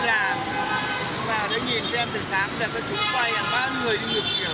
của ai cũng bộ thế giới người ta đi làm mà thấy nhìn xem từ sáng tới có chút quay là ba người đi ngược chiều